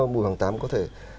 bùi hoàng tám có thể